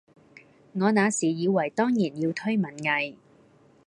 我那時以爲當然要推文藝，